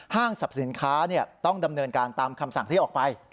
สรรพสินค้าต้องดำเนินการตามคำสั่งที่ออกไป